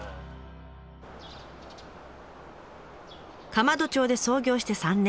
釜戸町で創業して３年。